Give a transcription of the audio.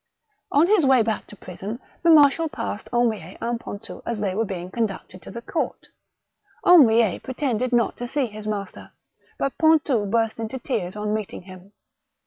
On his way back to prison, the marshal passed 216 THE BOOK OF WERE WOLVES. Henriet and Pontou as they were being conducted to the court. Henriet pretended not to see his master, but Pontou burst into tears on meeting him.